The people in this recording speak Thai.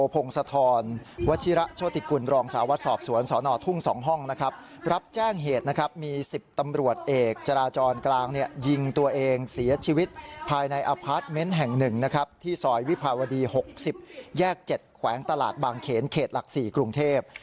พงศธรวชิระโชติกุลรองสาวสอบสวนสนทุ่ง๒ห้องนะครับรับแจ้งเหตุนะครับมี๑๐ตำรวจเอกจราจรกลางเนี่ยยิงตัวเองเสียชีวิตภายในอพาร์ทเมนต์แห่ง๑นะครับที่ซอยวิภาวดี๖๐แยก๗แขวงตลาดบางเขนเขตหลัก๔กรุงเทพ